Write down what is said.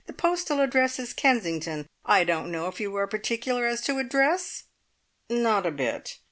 The postal address is Kensington. I don't know if you are particular as to address?" "Not a bit."